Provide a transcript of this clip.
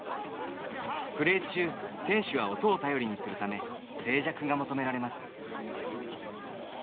プレー中選手は音を頼りにするため静寂が求められます。